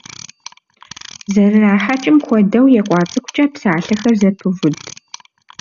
ЗэрырахьэкӀым хуэдэу екъуа цӀыкӀукӏэ псалъэхэр зэпывуд.